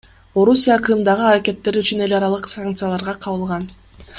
Орусия Крымдагы аракеттери үчүн эл аралык санкцияларга кабылган.